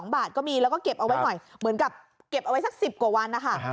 บาทก็มีแล้วก็เก็บเอาไว้หน่อยเหมือนกับเก็บเอาไว้สัก๑๐กว่าวันนะคะ